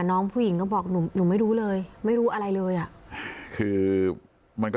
น้องผู้หญิงก็บอกหนูไม่รู้เลยไม่รู้อะไรเลยอ่ะ